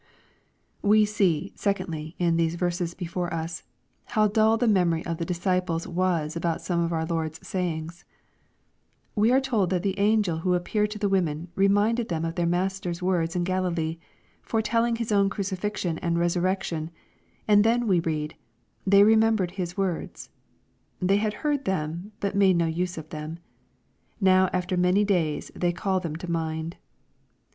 We see, secondly, in the verses before us, how dull the memory of the disciples was about some of our Lord's V sayings. We are told that the angels who appeared to the women, reminded them of their Master's words in Galilee, foretelling His own crucifixion and resurrection And then we read, ^' They remembered his words." They had heard them, but made no use of them. Now aftei many days they call them to mind.